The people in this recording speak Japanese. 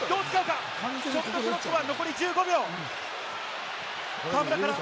ショットクロックは残り１５秒。